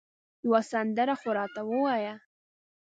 یوه سندره خو راته ووایه